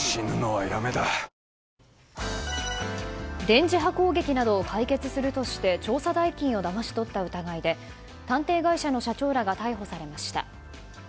電磁波攻撃などを解決するとして調査代金をだまし取った疑いで探偵会社の社長らが逮捕されました。